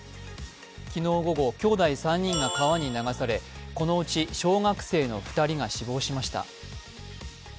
昨日午後、きょうだい３人が川に流されこのうち小学生の２人が死亡しました。